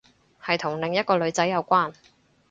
係同另一個女仔有關